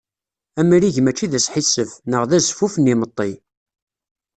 Amrig mačči d asḥissef, neɣ d azfuf n yimeṭṭi.